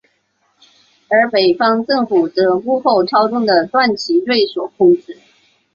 而北方政府则被幕后操纵的段祺瑞所控制。